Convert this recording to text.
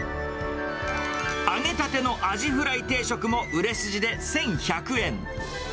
揚げたてのアジフライ定食も売れ筋で１１００円。